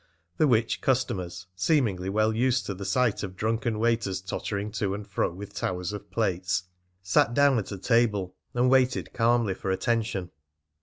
The which customers, seemingly well used to the sight of drunken waiters tottering to and fro with towers of plates, sat down at a table and waited calmly for attention.